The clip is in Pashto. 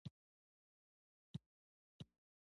هېواد د زړورو وطن دی